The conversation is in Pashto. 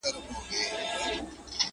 ما د سباوون په تمه تور وېښته سپین کړي دي؛